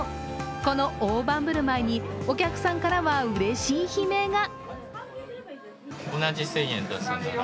この大盤振る舞いにお客さんからはうれしい悲鳴が。